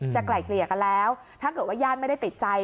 ไกล่เกลี่ยกันแล้วถ้าเกิดว่าญาติไม่ได้ติดใจ